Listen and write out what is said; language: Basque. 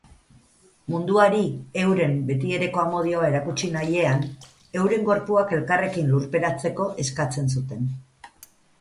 Munduari euren betiereko amodioa erakutsi nahiean, euren gorpuak elkarrekin lurperatzeko eskatzen zuten.